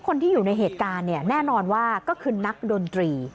คนที่อยู่ในเหตุการณ์เนี่ยแน่นอนว่าก็คือนักดนตรี